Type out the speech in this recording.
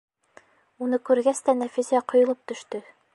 Уны күргәс тә Нәфисә ҡойолоп төштө.